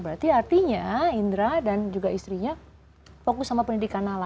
berarti artinya indra dan juga istrinya fokus sama pendidikan nala